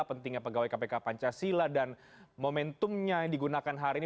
pentingnya pegawai kpk pancasila dan momentumnya yang digunakan hari ini